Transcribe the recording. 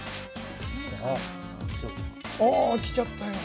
ああきちゃったよ。